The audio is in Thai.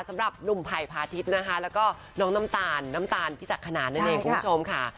สำหรับดุ่มไผ่พาทิศและน้องน้ำตาลน้ำตาลพิสักขณะ